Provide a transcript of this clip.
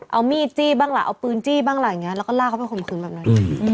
เอามีทจี้บ้างแหละเอาปืนจี้บ้างแหละแล้วก็ลากเข้าไปข่มขืนแบบนี้